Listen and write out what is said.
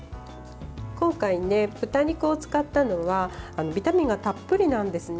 今回、豚肉を使ったのはビタミンがたっぷりなんですね。